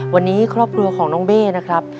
วันนี้ครอบครัวของน้องเบ้นะครับ